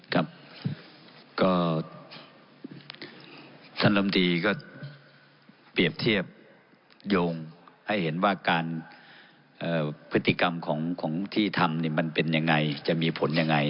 ครับก็ท่านลำตีก็เปรียบเทียบโยงให้เห็นว่าการพฤติกรรมของที่ทำมันเป็นยังไงจะมีผลยังไง